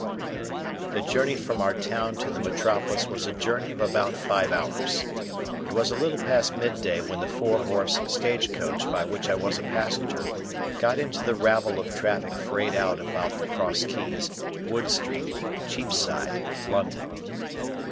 The journey from our town to the metropolis was a journey of about five hours. It was a little past midday when the four horse stage coach by which I was a passenger, got into the ravel of traffic frayed out about the Cross Keys, Wood Street, Cheapside, London.